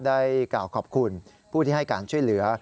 ได้กล่าวขอบคุณผู้ที่ให้การช่วยเหลือ